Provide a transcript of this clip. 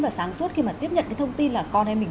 và sáng suốt khi mà tiếp nhận cái thông tin là con em mình